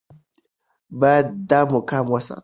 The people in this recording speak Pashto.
باید دا مقام وساتو.